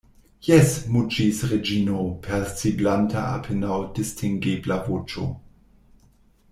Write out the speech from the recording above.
Jes, muĝis Reĝino per siblanta apenaŭ distingebla voĉo.